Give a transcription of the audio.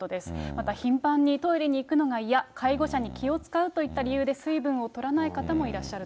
また頻繁にトイレに行くのが嫌、介護者に気を使うといった理由で、水分をとらない方もいらっしゃると。